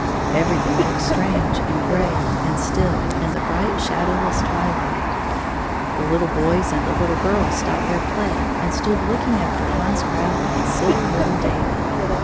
Everything looked strange and gray and still in the bright, shadow less twihght. The little boys and the little girls stopped their play and stood looking after Hans Krout and silly little David.